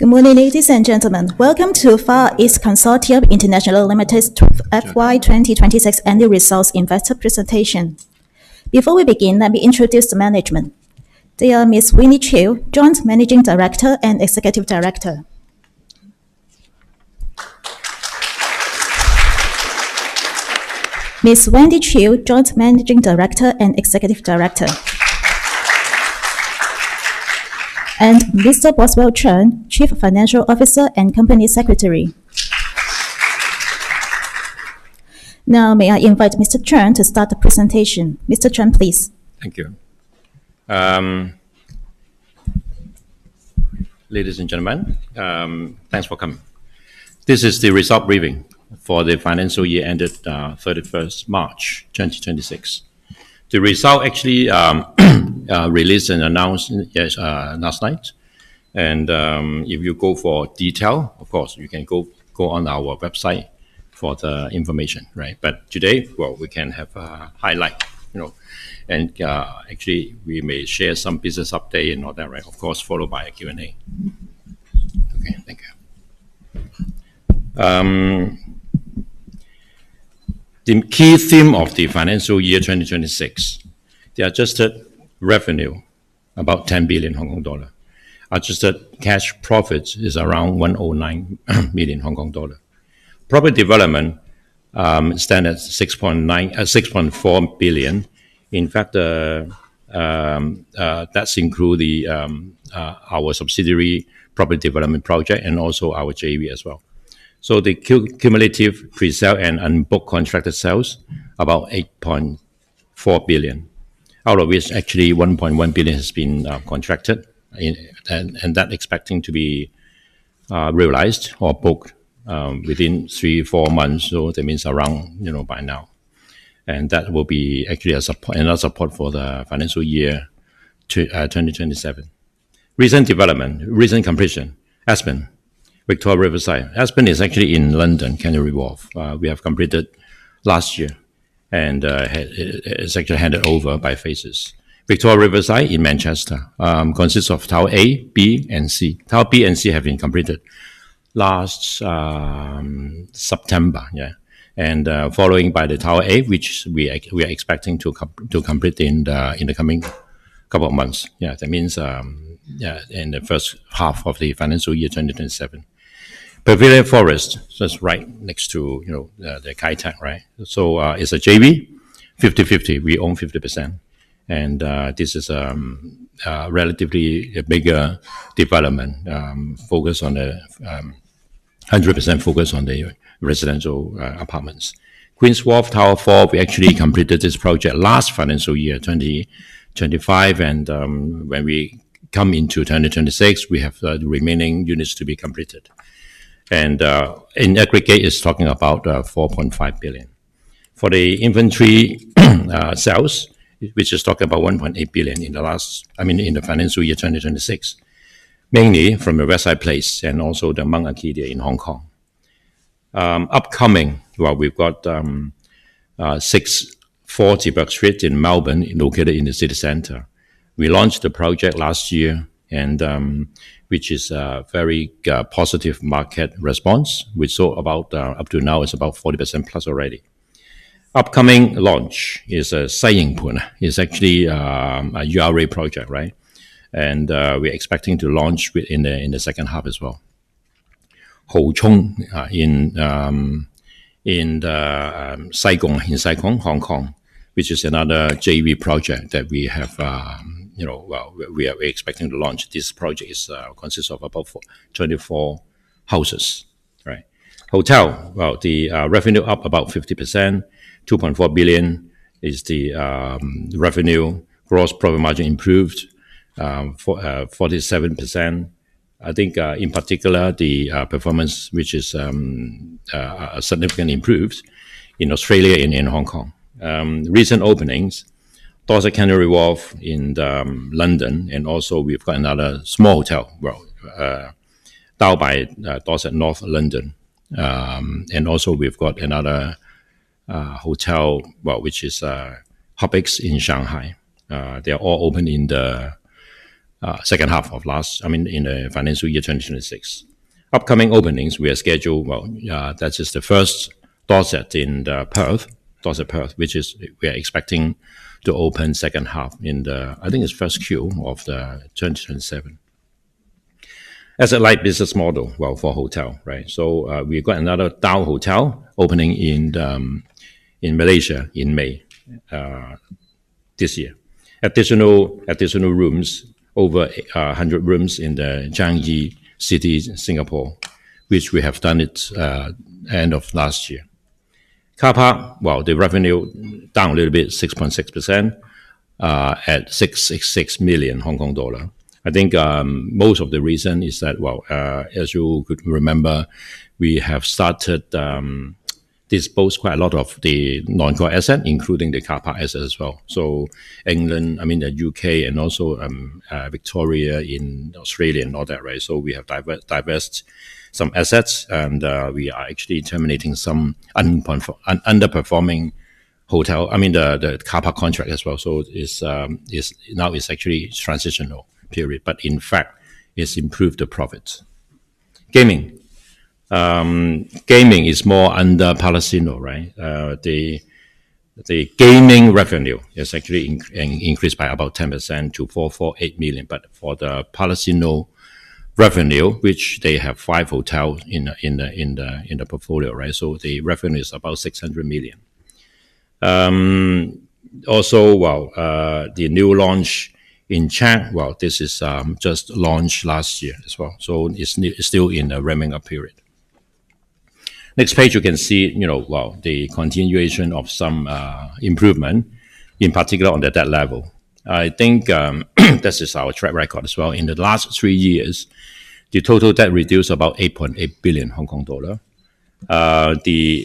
Good morning, ladies and gentlemen. Welcome to Far East Consortium International Limited's FY 2026 annual results investor presentation. Before we begin, let me introduce the management. They are Ms. Winnie Chiu, Joint Managing Director and Executive Director. Ms. Wendy Chiu, Joint Managing Director and Executive Director. Mr. Boswell Cheung, Chief Financial Officer and Company Secretary. Now, may I invite Mr. Cheung to start the presentation. Mr. Cheung, please. Thank you. Ladies and gentlemen, thanks for coming. This is the result briefing for the financial year ended 31st March 2026. The result actually released and announced last night. If you go for detail, of course, you can go on our website for the information. Today, well, we can have a highlight. Actually, we may share some business update and all that. Of course, followed by a Q&A. Okay, thank you. The key theme of the financial year 2026, the adjusted revenue, about 10 billion Hong Kong dollar. Adjusted cash profits is around 109 million Hong Kong dollar. Profit development stand at 6.4 billion. In fact, that includes our subsidiary property development project and also our JV as well. The cumulative presale and book contracted sales, about 8.4 billion, out of which actually 1.1 billion has been contracted, and that expecting to be realized or booked within 3, 4 months. That means around by now. That will be actually another support for the financial year 2027. Recent development. Recent completion. Aspen, Victoria Riverside. Aspen is actually in London, Canary Wharf. We have completed last year, and it's actually handed over by phases. Victoria Riverside in Manchester consists of Tower A, B, and C. Tower B and C have been completed last September. Following by the Tower A, which we are expecting to complete in the coming couple of months. That means in the first half of the financial year 2027. The Pavilia Forest, it's right next to the Kai Tak. It's a JV, 50/50. We own 50%. This is a relatively bigger development, 100% focused on the residential apartments. Queen's Wharf, Tower 4, we actually completed this project last financial year, 2025. When we come into 2026, we have the remaining units to be completed. In aggregate, it's talking about 4.5 billion. For the inventory sales, which is talking about 1.8 billion in the financial year 2026, mainly from the Westside Place and also the Mount Arcadia in Hong Kong. Upcoming, well, we've got 640 Bourke Street in Melbourne, located in the city center. We launched the project last year, and which is a very positive market response. We saw up to now, it's about 40%+ already. Upcoming launch is Sai Ying Pun. It's actually a URA project. We're expecting to launch within the second half as well. Ho Chung in Sai Kung, Hong Kong, which is another JV project that we are expecting to launch. This project consists of about 24 houses. Hotel. Well, the revenue up about 50%, 2.4 billion is the revenue. Gross profit margin improved, 47%. I think, in particular, the performance, which is significantly improved in Australia and in Hong Kong. Recent openings, Dorsett Canary Wharf in London, and also we've got another small hotel, Dao by Dorsett North London. Also we've got another hotel, which is HubX in Shanghai. They all opened in the second half of last, I mean, in the financial year 2026. Upcoming openings we are scheduled, well, that is the first Dorsett in Perth, which we are expecting to open second half in the, I think, its first Q of the 2027. As a light business model, well, for hotel. We got another Dao hotel opening in Malaysia in May this year. Additional rooms, over 100 rooms in the Changi City, Singapore, which we have done it end of last year. Car park. Well, the revenue down a little bit, 6.6% at 666 million Hong Kong dollar. I think most of the reason is that, well, as you could remember, we have started dispose quite a lot of the non-core asset, including the car park asset as well. England, I mean, the U.K. and also Victoria in Australia and all that. We have divested some assets, and we are actually terminating some underperforming hotel, I mean the car park contract as well. Now it's actually transitional period, but in fact, it's improved the profits. Gaming is more under casino. The gaming revenue is actually increased by about 10% to 448 million. For the casino revenue, which they have 5 hotels in the portfolio. The revenue is about 600 million. Also, the new launch in Chang, this just launched last year as well, so it's still in the ramming up period. Next page, you can see the continuation of some improvement, in particular on the debt level. I think this is our track record as well. In the last 3 years, the total debt reduced about 8.8 billion Hong Kong dollar. The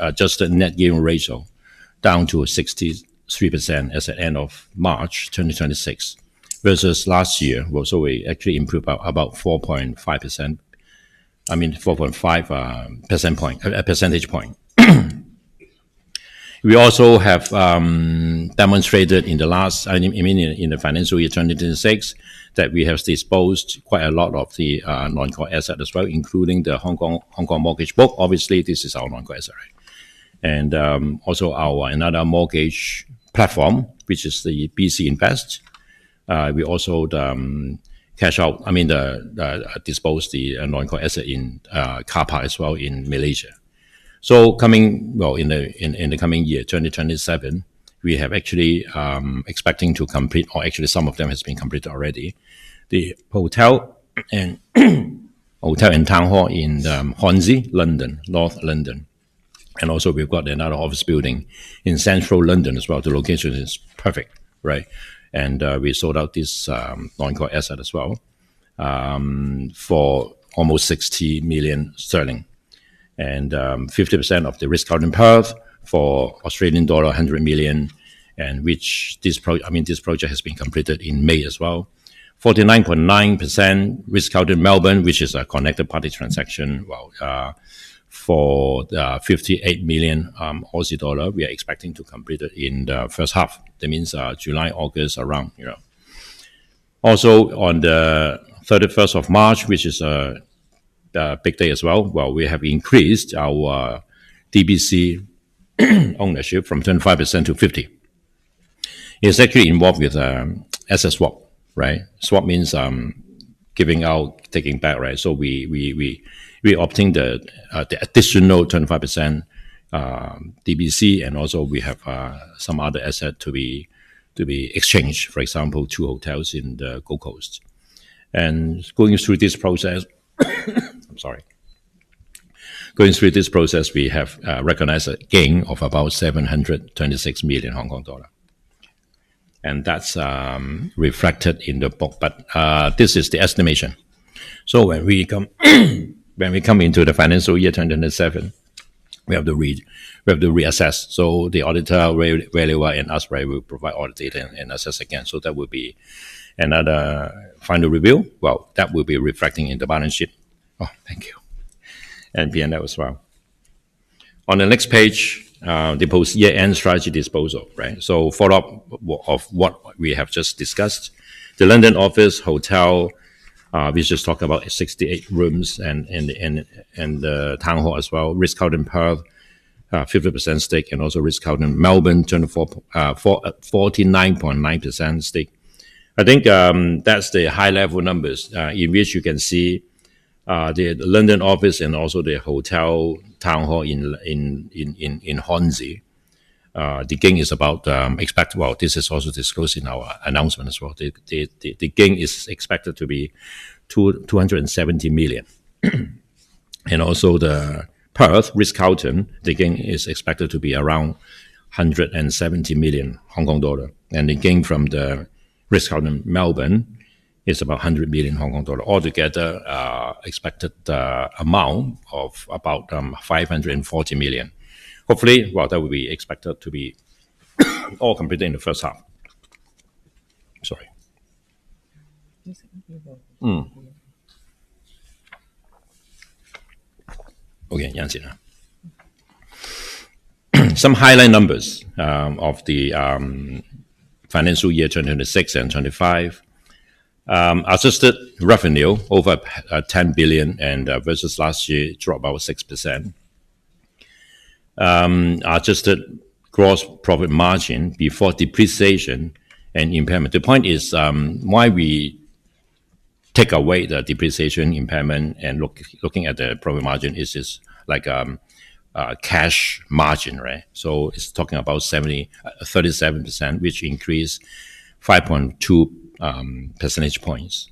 adjusted net gearing ratio down to 63% as at end of March 2026 versus last year. We actually improved by about 4.5 percentage point. We also have demonstrated in the financial year 2026, that we have disposed quite a lot of the non-core asset as well, including the Hong Kong mortgage book. Obviously, this is our non-core asset. Our another mortgage platform, which is the BC Invest. We also disposed the non-core asset in CAPA as well in Malaysia. In the coming year, 2027, we have actually expecting to complete or actually some of them has been completed already. The hotel and town hall in Hornsey, North London. Also we've got another office building in Central London as well. The location is perfect. We sold out this non-core asset as well, for almost 60 million sterling. 50% of The Ritz-Carlton, Perth for Australian dollar 100 million. This project has been completed in May as well. 49.9% Ritz-Carlton, Melbourne, which is a connected party transaction, for 58 million Aussie dollar, we are expecting to complete it in the first half. That means July, August, around. Also on the 31st of March, which is a big day as well. We have increased our DBC ownership from 25% to 50%. It is actually involved with asset swap. Swap means giving out, taking back. We obtain the additional 25% DBC and also we have some other asset to be exchanged, for example, two hotels in the Gold Coast. Going through this process, we have recognized a gain of about 726 million Hong Kong dollar, and that is reflected in the book. This is the estimation. When we come into the FY 2027, we have to reassess. The auditor very well and us will provide all the data and assess again. That will be another final review. That will be reflecting in the balance sheet. P&L as well. On the next page, the post-year-end strategy disposal. Follow-up of what we have just discussed. The London office hotel, we just talked about 68 rooms and the town hall as well. Ritz-Carlton, Perth, 50% stake and also Ritz-Carlton, Melbourne, 49.9% stake. That is the high-level numbers, in which you can see the London office and also the hotel town hall in Hornsey. This is also disclosed in our announcement as well. The gain is expected to be 270 million. Also the Perth Ritz-Carlton, the gain is expected to be around 170 million Hong Kong dollar. The gain from the Ritz-Carlton, Melbourne is about 100 million Hong Kong dollar. Altogether, expected amount of about 540 million. That will be expected to be all completed in the first half. Some highlight numbers of the FY 2026 and FY 2025. Adjusted revenue over 10 billion versus last year dropped about 6%. Adjusted gross profit margin before depreciation and impairment. The point is why we take away the depreciation impairment and looking at the profit margin, it is just like a cash margin. It is talking about 37%, which increased 5.2 percentage points.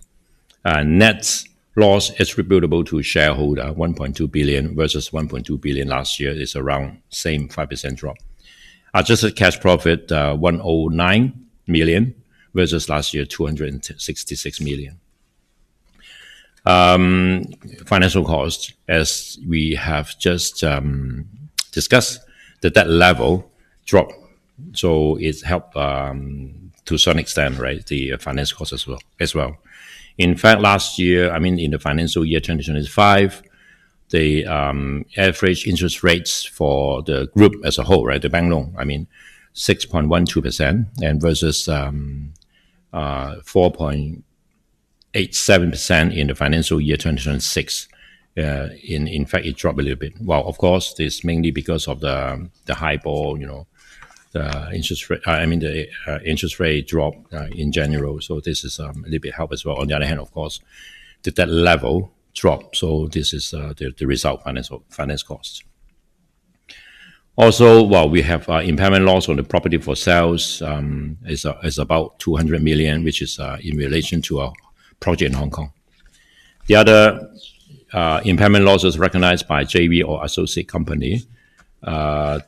Net loss attributable to shareholder, 1.2 billion versus 1.2 billion last year is around same 5% drop. Adjusted cash profit, 109 million versus last year, 266 million. Financial cost, as we have just discussed, the debt level dropped. It has helped to some extent, the financial cost as well. In fact, last year, in the FY 2025, the average interest rates for the group as a whole, the bank loan, 6.12% versus 4.87% in the FY 2026. In fact, it dropped a little bit. Of course, it is mainly because of the HIBOR, the interest rate drop in general. This is a little bit help as well. On the other hand, of course, the debt level dropped. This is the result finance cost. While we have impairment loss on the property for sales, is about 200 million, which is in relation to our project in Hong Kong. The other impairment loss was recognized by JV or associate company.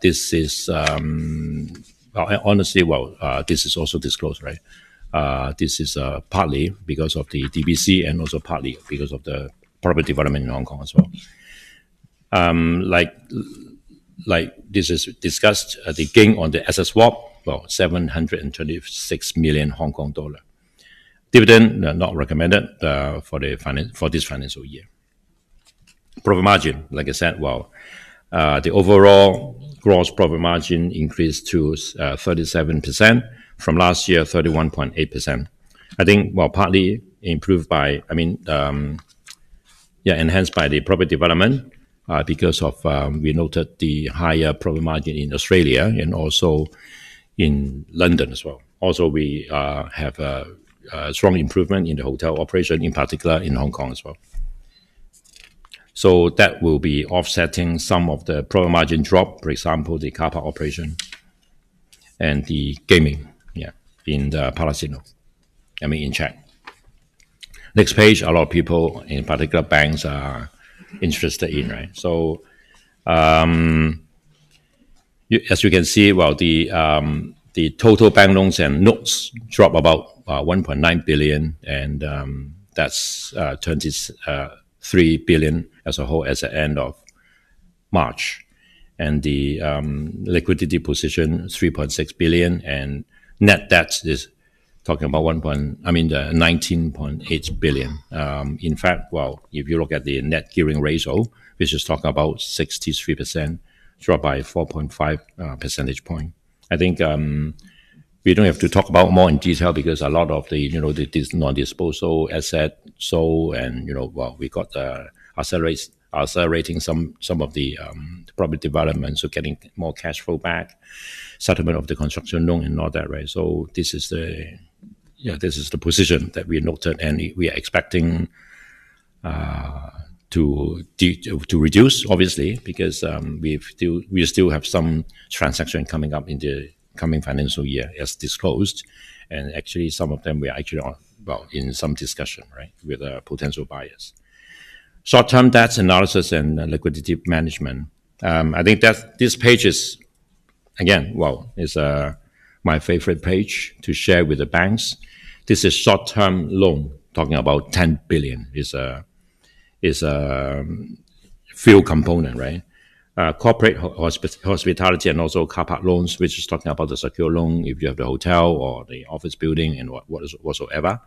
This is also disclosed. This is partly because of the DBC and also partly because of the property development in Hong Kong as well. This is discussed, the gain on the asset swap, 726 million Hong Kong dollar. Dividend, not recommended for this FY. Profit margin, the overall gross profit margin increased to 37% from last year, 31.8%. Partly enhanced by the profit development because we noted the higher profit margin in Australia and also in London as well. We have a strong improvement in the hotel operation, in particular in Hong Kong as well. That will be offsetting some of the profit margin drop, for example, the car park operation and the gaming in the Palasino, I mean in Czech. A lot of people, in particular banks, are interested in. As you can see, the total bank loans and notes drop about 1.9 billion, and that turns it 3 billion as a whole as at end of March. The liquidity position, 3.6 billion and net debt is talking about 19.8 billion. In fact, if you look at the net gearing ratio, which is talking about 63%, dropped by 4.5 percentage point. I think we don't have to talk about more in detail because a lot of the non-core asset sold and we got accelerating some of the property development, so getting more cash flow back. Settlement of the construction loan and all that. This is the position that we noted, and we are expecting to reduce obviously because we still have some transaction coming up in the coming financial year as disclosed. Actually some of them we are in some discussion with potential buyers. Short-term debts analysis and liquidity management. I think this page is, again, my favorite page to share with the banks. This is short-term loan, talking about 10 billion is field component. Corporate hospitality and also car park loans, which is talking about the secure loan if you have the hotel or the office building and whatsoever.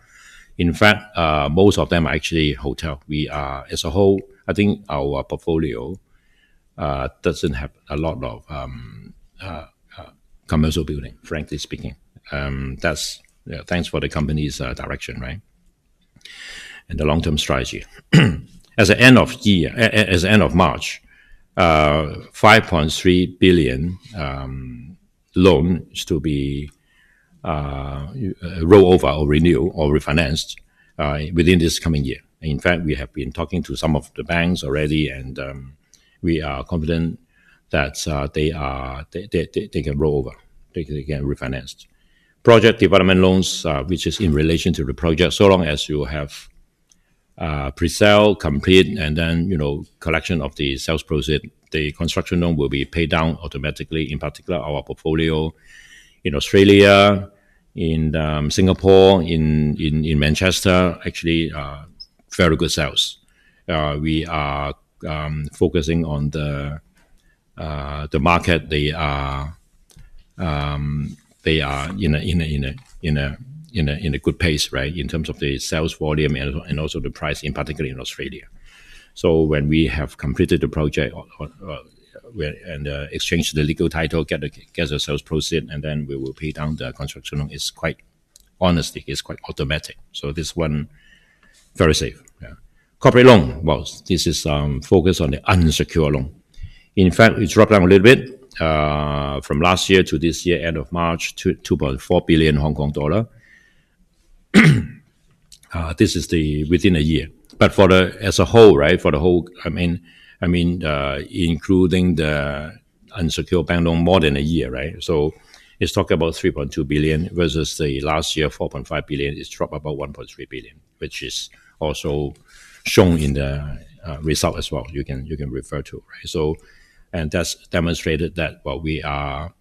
In fact, most of them are actually hotel. As a whole, I think our portfolio doesn't have a lot of commercial building, frankly speaking. Thanks for the company's direction and the long-term strategy. As at end of March, 5.3 billion loan is to be roll over or renew or refinanced within this coming year. In fact, we have been talking to some of the banks already, we are confident that they can roll over, they can get refinanced. Project development loans which is in relation to the project, long as you have pre-sale, complete, then collection of the sales proceed, the construction loan will be paid down automatically. In particular, our portfolio in Australia, in Singapore, in Manchester, actually very good sales. We are focusing on the market. They are in a good pace in terms of the sales volume also the price in particular in Australia. When we have completed the project and exchange the legal title, get the sales proceed, then we will pay down the construction loan. Honestly, it's quite automatic. This one, very safe. Corporate loan. Well, this is focused on the unsecured loan. In fact, it dropped down a little bit from last year to this year, end of March, 2.4 billion Hong Kong dollar. This is within a year. As a whole, including the unsecured bank loan more than a year. It's talking about 3.2 billion versus the last year, 4.5 billion. It's dropped about 1.3 billion, which is also shown in the result as well. You can refer to. That's demonstrated that we are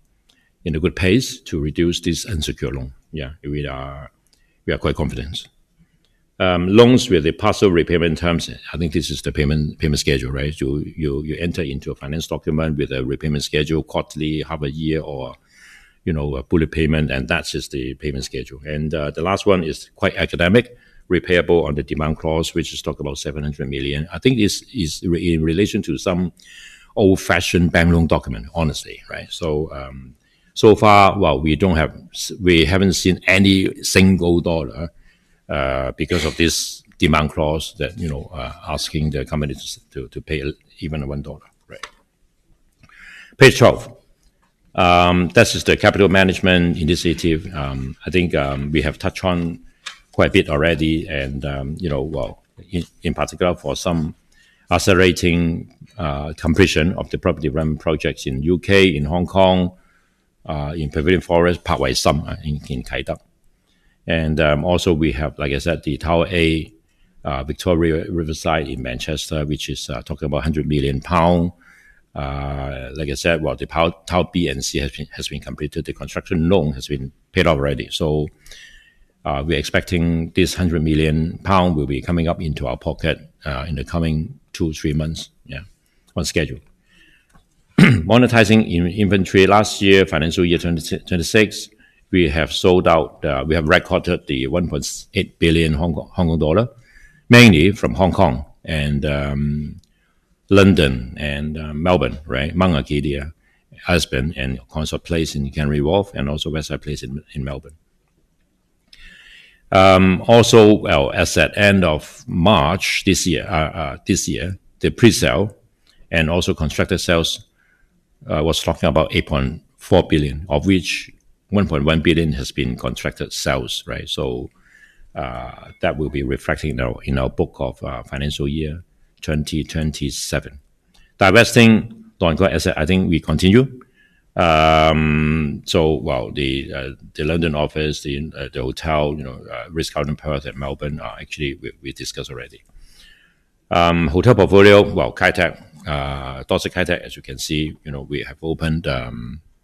in a good pace to reduce this unsecured loan. We are quite confident. Loans with a partial repayment terms. I think this is the payment schedule. You enter into a finance document with a repayment schedule quarterly, half a year, or a bullet payment, and that is the payment schedule. The last one is quite academic Repayable on the demand clause, which is talking about 700 million. I think this is in relation to some old-fashioned bank loan document, honestly. So far, we haven't seen any single dollar because of this demand clause that asking the companies to pay even 1 dollar. Page 12. That is the capital management initiative. I think we have touched on quite a bit already, well, in particular for some accelerating completion of the property development projects in the U.K., in Hong Kong, in The Pavilia Forest, Paak Wai Sam in Kai Tak. Also we have, like I said, the Tower A, Victoria Riverside in Manchester, which is talking about 100 million pounds. Like I said, the Tower B and C has been completed. The construction loan has been paid off already. We're expecting this 100 million pound will be coming up into our pocket in the coming two, three months. Yeah. On schedule. Monetizing inventory last year, financial year 2026, we have recorded the 1.8 billion Hong Kong, mainly from Hong Kong and London and Melbourne. Mount Arcadia, Aspen, and Consort Place in Canary Wharf, Westside Place in Melbourne. As at end of March this year, the pre-sale and contracted sales was talking about 8.4 billion, of which 1.1 billion has been contracted sales. That will be reflecting in our book of financial year 2027. Divesting non-core asset, I think we continue. Well, the London office, the hotel, Ritz-Carlton, Perth, and Melbourne, actually, we discussed already. Hotel portfolio, well, Dorsett Kai Tak, as you can see, we have opened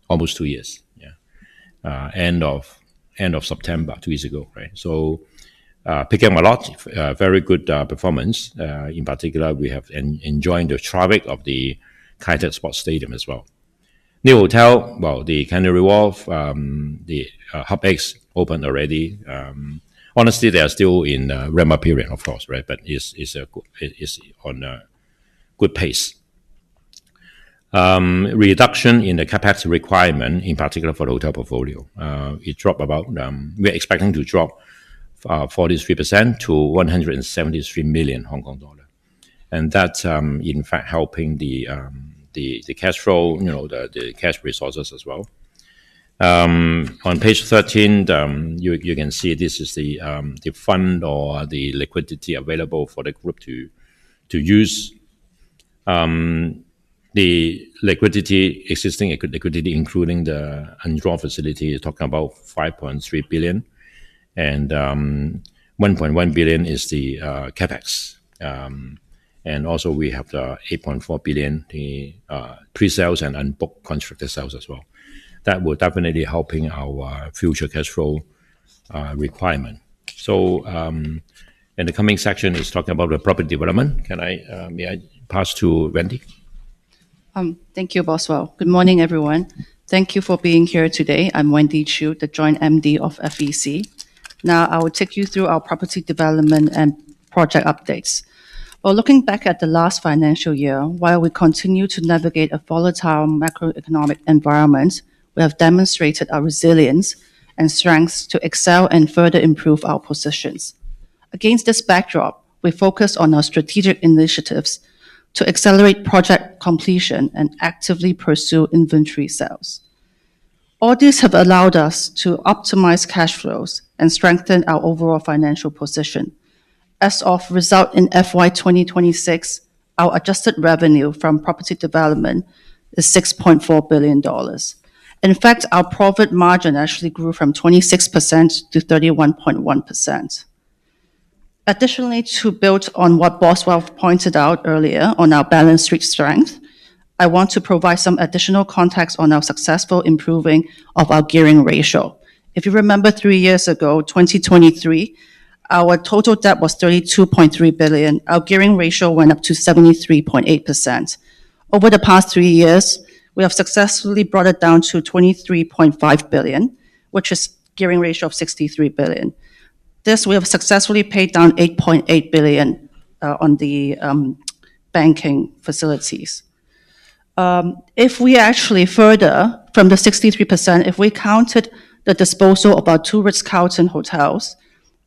almost two years. Yeah. End of September, two years ago. Picking a lot, very good performance. In particular, we have enjoying the traffic of the Kai Tak Sports Stadium as well. New hotel, well, the Canary Wharf, the HubX opened already. Honestly, they are still in the ramp-up period, of course. It's on a good pace. Reduction in the CapEx requirement, in particular for the hotel portfolio. We're expecting to drop 43% to 173 million Hong Kong dollars. That's in fact helping the cash flow, the cash resources as well. On page 13, you can see this is the fund or the liquidity available for the group to use. The existing liquidity, including the undrawn facility, is talking about 5.3 billion and 1.1 billion is the CapEx. Also we have the 8.4 billion, the pre-sales and unbooked contracted sales as well. That will definitely helping our future cash flow requirement. In the coming section is talking about the property development. May I pass to Wendy? Thank you, Boswell Cheung. Good morning, everyone. Thank you for being here today. I'm Wendy Chiu, the joint MD of FEC. I will take you through our property development and project updates. Looking back at the last financial year, while we continue to navigate a volatile macroeconomic environment, we have demonstrated our resilience and strengths to excel and further improve our positions. Against this backdrop, we focus on our strategic initiatives to accelerate project completion and actively pursue inventory sales. All these have allowed us to optimize cash flows and strengthen our overall financial position. As a result in FY 2026, our adjusted revenue from property development is 6.4 billion dollars. In fact, our profit margin actually grew from 26% to 31.1%. Additionally, to build on what Boswell Cheung pointed out earlier on our balance sheet strength, I want to provide some additional context on our successful improving of our gearing ratio. If you remember, three years ago, 2023, our total debt was 32.3 billion. Our gearing ratio went up to 73.8%. Over the past three years, we have successfully brought it down to 23.5 billion, which is a gearing ratio of 63%. We have successfully paid down 8.8 billion on the banking facilities. If we actually further from the 63%, if we counted the disposal of our two Ritz-Carlton hotels,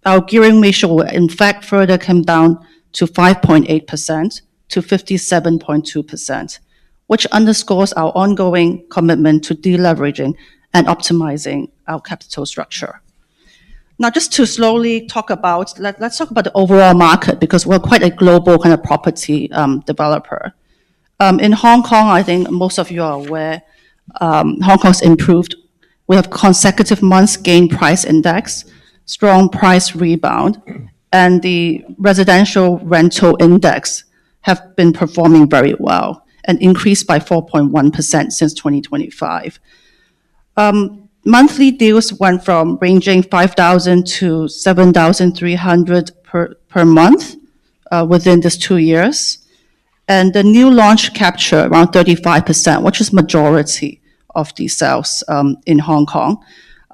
our gearing ratio in fact further came down from 58% to 57.2%, which underscores our ongoing commitment to deleveraging and optimizing our capital structure. Let's talk about the overall market because we're quite a global kind of property developer. In Hong Kong, I think most of you are aware, Hong Kong's improved. We have consecutive months gain price index, strong price rebound, and the residential rental index have been performing very well and increased by 4.1% since 2025. Monthly deals went from ranging 5,000-7,300 per month within these two years. The new launch capture around 35%, which is majority of the sales in Hong Kong.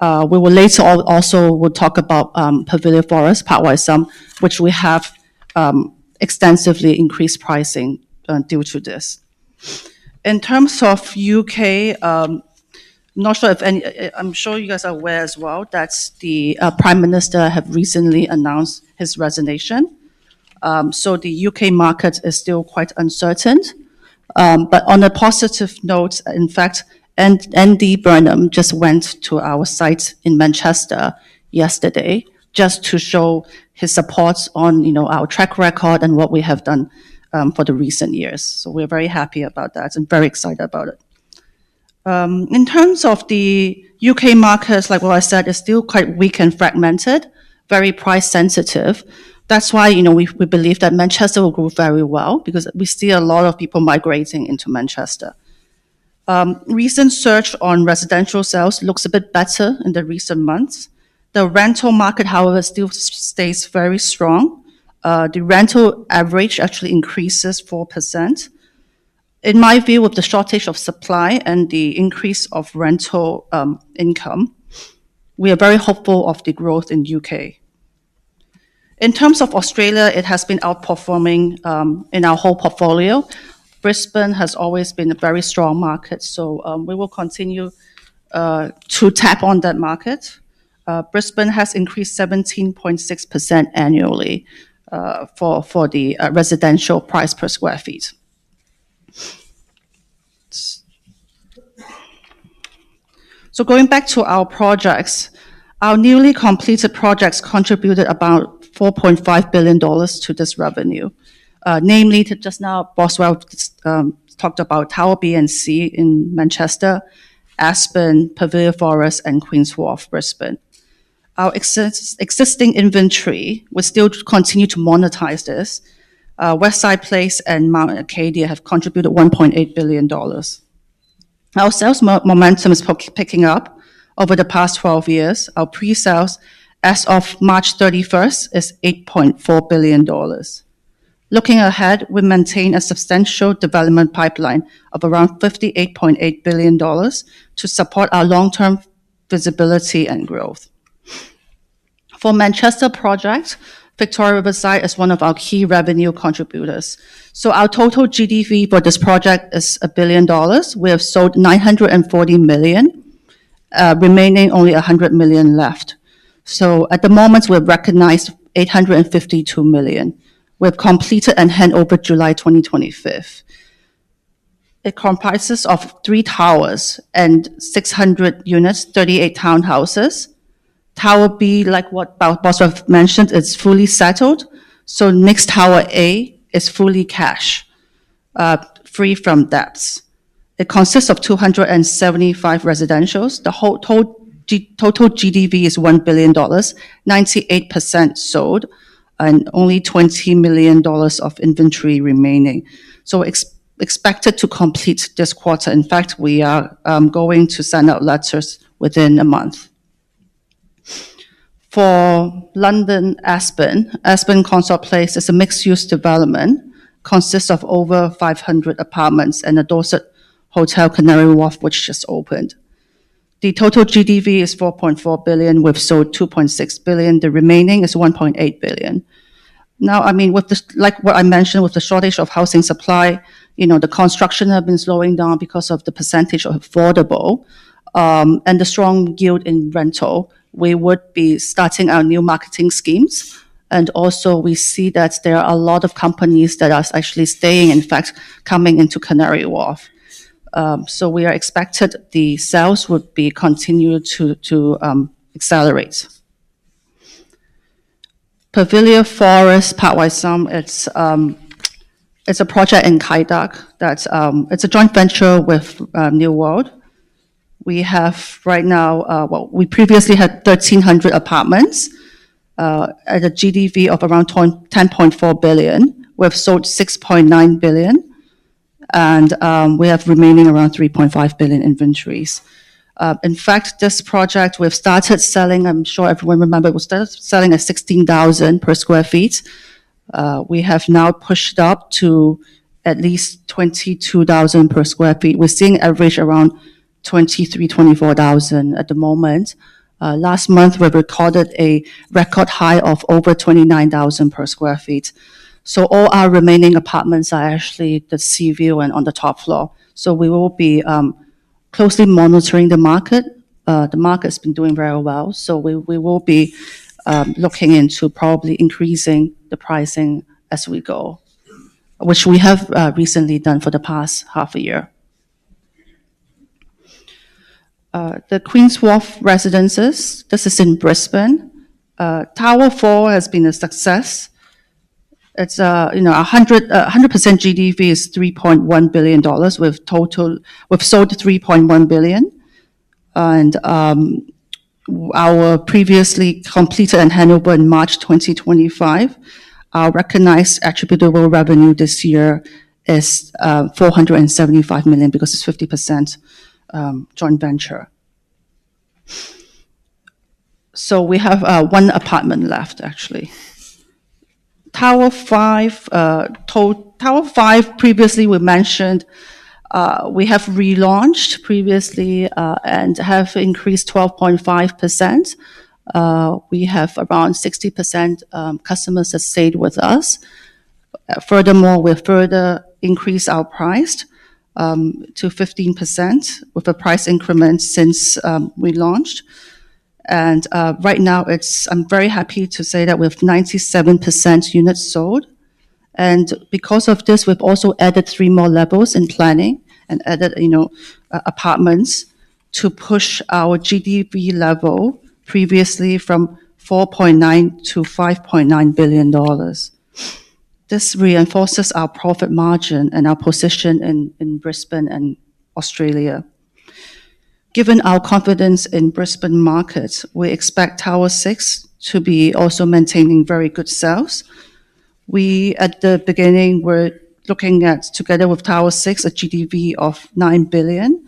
We will later also talk about The Pavilia Forest, Park Wai Sum, which we have extensively increased pricing due to this. In terms of U.K., I'm sure you guys are aware as well that the prime minister have recently announced his resignation. The U.K. market is still quite uncertain. On a positive note, in fact, Andy Burnham just went to our site in Manchester yesterday just to show his support on our track record and what we have done for the recent years. We are very happy about that and very excited about it. In terms of the U.K. market, like what I said, it's still quite weak and fragmented, very price sensitive. That's why we believe that Manchester will grow very well, because we see a lot of people migrating into Manchester. Recent search on residential sales looks a bit better in the recent months. The rental market, however, still stays very strong. The rental average actually increases 4%. In my view, with the shortage of supply and the increase of rental income, we are very hopeful of the growth in U.K. In terms of Australia, it has been outperforming in our whole portfolio. Brisbane has always been a very strong market. We will continue to tap on that market. Brisbane has increased 17.6% annually for the residential price per square feet. Going back to our projects, our newly completed projects contributed about 4.5 billion dollars to this revenue. Namely, just now, Boswell talked about Tower B and C in Manchester, Aspen, The Pavilia Forest, and Queen's Wharf Brisbane. Our existing inventory, we still continue to monetize this. Westside Place and Mount Arcadia have contributed 1.8 billion dollars. Our sales momentum is picking up over the past 12 years. Our pre-sales as of March 31st is 8.4 billion dollars. Looking ahead, we maintain a substantial development pipeline of around 58.8 billion dollars to support our long-term visibility and growth. For Manchester project, Victoria Riverside is one of our key revenue contributors. Our total GDV for this project is 1 billion dollars. We have sold 940 million, remaining only 100 million left. At the moment, we've recognized 852 million. We have completed and handover July 2025. It comprises of three towers and 600 units, 38 townhouses. Tower B, like what Boswell mentioned, is fully settled. Next Tower A is fully cash, free from debts. It consists of 275 residentials. The total GDV is 1 billion dollars. 98% sold, and only 20 million dollars of inventory remaining. Expected to complete this quarter. In fact, we are going to send out letters within a month. For London Aspen at Consort Place is a mixed-use development, consists of over 500 apartments and a Dorsett Hotel, Canary Wharf, which just opened. The total GDV is 4.4 billion. We've sold 2.6 billion. The remaining is 1.8 billion. Now, like what I mentioned, with the shortage of housing supply, the construction have been slowing down because of the percentage of affordable and the strong yield in rental. We would be starting our new marketing schemes. Also we see that there are a lot of companies that are actually staying, in fact, coming into Canary Wharf. We are expected the sales would be continued to accelerate. The Pavilia Forest, Park Wai Sum, it's a project in Kai Tak. It's a joint venture with New World. We previously had 1,300 apartments at a GDV of around 10.4 billion. We have sold 6.9 billion, and we have remaining around 3.5 billion inventories. In fact, this project we've started selling, I'm sure everyone remember, we started selling at 16,000 per square feet. We have now pushed up to at least 22,000 per square feet. We're seeing average around 23,000, 24,000 at the moment. Last month, we recorded a record high of over 29,000 per square feet. All our remaining apartments are actually the sea view and on the top floor. We will be closely monitoring the market. The market's been doing very well, so we will be looking into probably increasing the pricing as we go, which we have recently done for the past half a year. The Queen's Wharf residences, this is in Brisbane. Tower Four has been a success. 100% GDV is 3.1 billion dollars. We've sold 3.1 billion. Our previously completed and handover in March 2025, our recognized attributable revenue this year is 475 million because it's 50% joint venture. We have one apartment left, actually. Tower Five, previously we mentioned, we have relaunched previously, and have increased 12.5%. We have around 60% customers that stayed with us. We have further increased our price to 15%, with a price increment since we launched. Right now, I am very happy to say that we have 97% units sold, and because of this, we have also added 3 more levels in planning and added apartments to push our GDV level previously from 4.9 billion to 5.9 billion dollars. This reinforces our profit margin and our position in Brisbane and Australia. Given our confidence in Brisbane market, we expect Tower 6 to be also maintaining very good sales. We, at the beginning, were looking at, together with Tower 6, a GDV of 9 billion.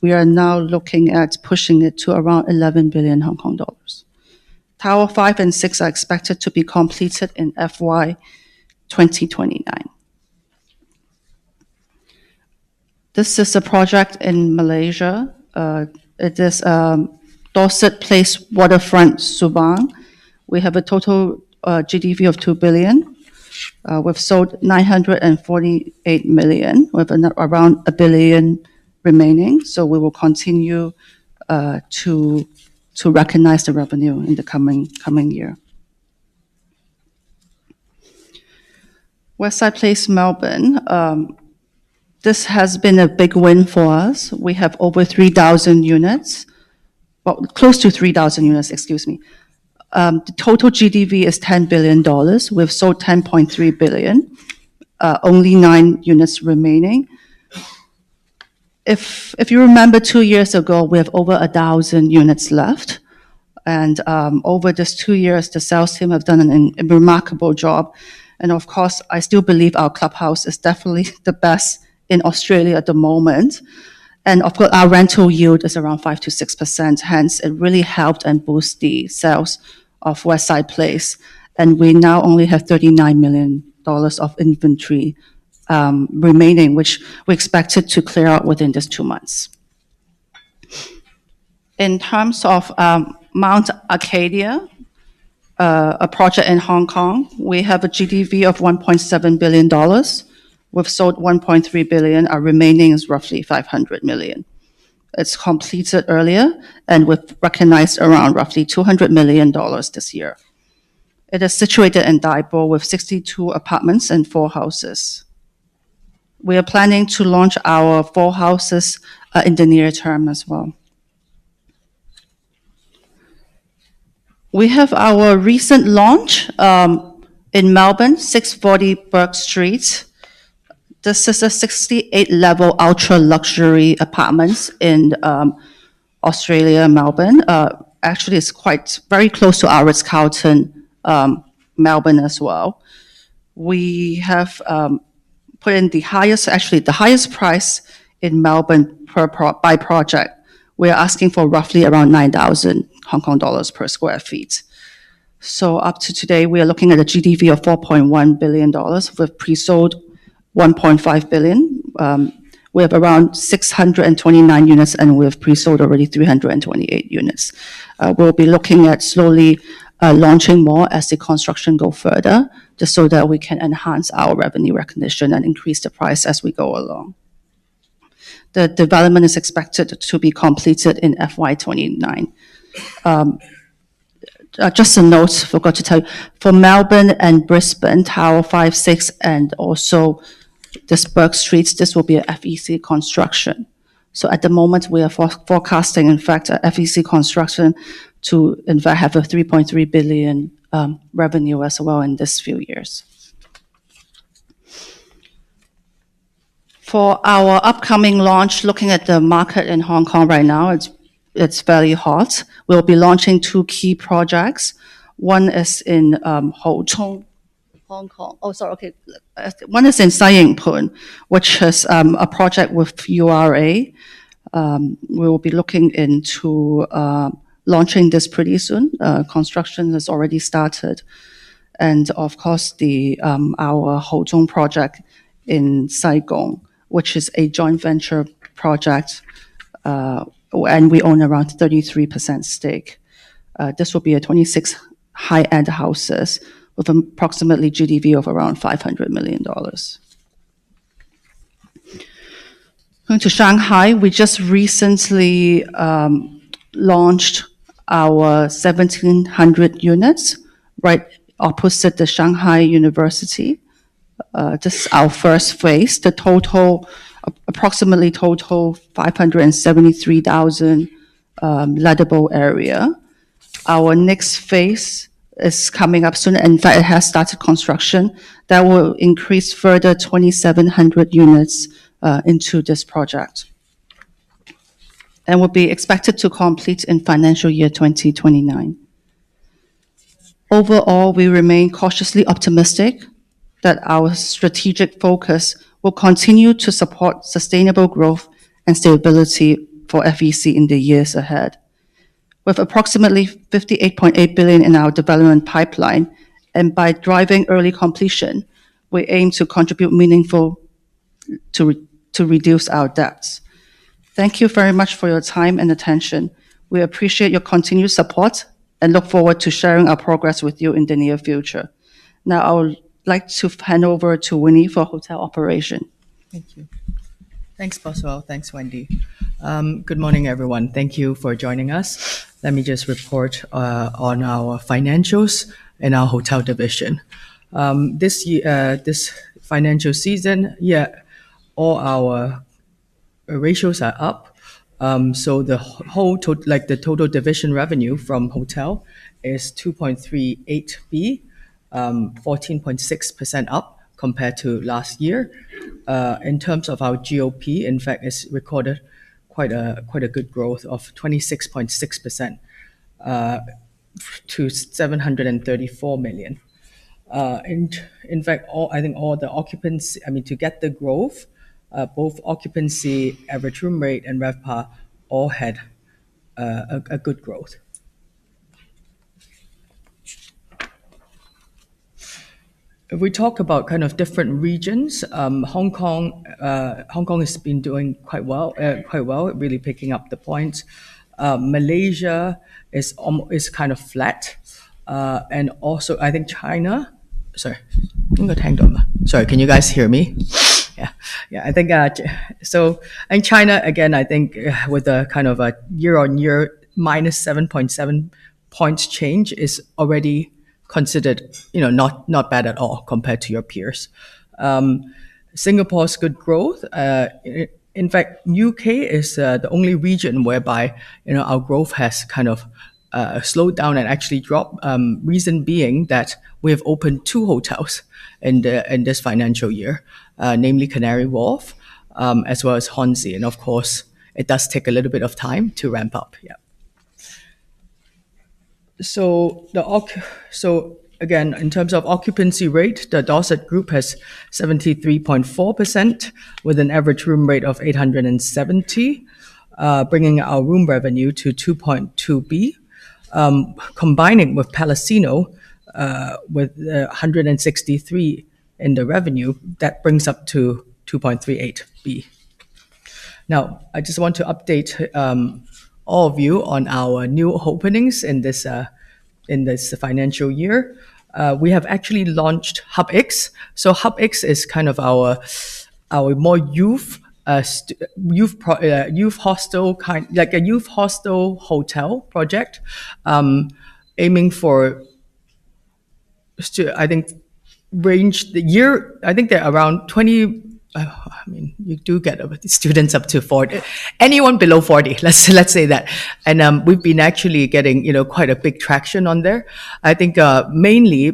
We are now looking at pushing it to around 11 billion Hong Kong dollars. Tower 5 and 6 are expected to be completed in FY 2029. This is a project in Malaysia. It is Dorsett Place Waterfront, Subang. We have a total GDV of 2 billion. We have sold 948 million. We have around 1 billion remaining. We will continue to recognize the revenue in the coming year. Westside Place, Melbourne, this has been a big win for us. We have over 3,000 units. Close to 3,000 units, excuse me. The total GDV is 10 billion dollars. We have sold 10.3 billion. Only 9 units remaining. If you remember 2 years ago, we have over 1,000 units left. Over these 2 years, the sales team have done a remarkable job. Of course, I still believe our clubhouse is definitely the best in Australia at the moment. Of course, our rental yield is around 5%-6%, hence it really helped and boost the sales of Westside Place. We now only have 39 million dollars of inventory remaining, which we expected to clear out within these 2 months. In terms of Mount Arcadia, a project in Hong Kong, we have a GDV of 1.7 billion dollars. We have sold 1.3 billion. Our remaining is roughly 500 million. It is completed earlier, and we have recognized around roughly 200 million dollars this year. It is situated in Tai Po with 62 apartments and 4 houses. We are planning to launch our 4 houses in the near term as well. We have our recent launch in Melbourne, 640 Bourke Street. This is a 68-level ultra-luxury apartment in Australia, Melbourne. It is very close to The Ritz-Carlton, Melbourne, as well. We have put in the highest price in Melbourne by project. We are asking for roughly around 9,000 Hong Kong dollars per sq ft. Up to today, we are looking at a GDV of 4.1 billion dollars. We have pre-sold 1.5 billion. We have around 629 units. We have pre-sold already 328 units. We will be looking at slowly launching more as the construction go further, just so that we can enhance our revenue recognition and increase the price as we go along. The development is expected to be completed in FY 2029. Just a note, forgot to tell you, for Melbourne and Brisbane, Tower 5, 6, and also this Bourke Street, this will be a FEC construction. At the moment, we are forecasting, in fact, FEC Construction to, in fact, have a 3.3 billion revenue as well in these few years. For our upcoming launch, looking at the market in Hong Kong right now, it is fairly hot. We will be launching 2 key projects. One is in Ho Chung, Hong Kong. One is in Sai Ying Pun, which is a project with URA. We will be looking into launching this pretty soon. Construction has already started. Of course, our Ho Chung project in Sai Kung, which is a joint venture project, and we own around 33% stake. This will be 26 high-end houses with approximately GDV of around 500 million dollars. To Shanghai, we just recently launched our 1,700 units right opposite the Shanghai University. This is our first phase. The approximately total 573,000 lettable area. Our next phase is coming up soon. In fact, it has started construction. That will increase further 2,700 units into this project, and will be expected to complete in FY 2029. Overall, we remain cautiously optimistic that our strategic focus will continue to support sustainable growth and stability for FEC in the years ahead. Approximately 58.8 billion in our development pipeline, and by driving early completion, we aim to contribute meaningful to reduce our debts. Thank you very much for your time and attention. We appreciate your continued support and look forward to sharing our progress with you in the near future. I would like to hand over to Winnie for hotel operation. Thank you. Thanks, Boswell. Thanks, Wendy. Good morning, everyone. Thank you for joining us. Let me just report on our financials in our hotel division. This financial season, all our ratios are up. The total division revenue from hotel is 2.38 billion, 14.6% up compared to last year. In terms of our GOP, in fact, it's recorded quite a good growth of 26.6% to 734 million. In fact, to get the growth, both occupancy, average room rate, and RevPAR all had a good growth. If we talk about different regions, Hong Kong has been doing quite well, really picking up the points. Malaysia is kind of flat. Also, I think China. Sorry. Sorry, can you guys hear me? Yeah. In China, again, I think with a year on year minus 7.7 points change is already considered not bad at all compared to your peers. Singapore has good growth. U.K. is the only region whereby our growth has slowed down and actually dropped. Reason being that we have opened two hotels in this financial year. Namely Canary Wharf, as well as Hornsey. Of course, it does take a little bit of time to ramp up. Yeah. Again, in terms of occupancy rate, The Dorsett Group has 73.4% with an average room rate of 870, bringing our room revenue to 2.2 billion. Combining with Palasino, with 163 in the revenue, that brings up to 2.38 billion. I just want to update all of you on our new openings in this financial year. We have actually launched HubX. HubX is kind of our more youth hostel hotel project, aiming for students, I think they're around 20. You do get students up to 40. Anyone below 40, let's say that. We've been actually getting quite a big traction on there. Mainly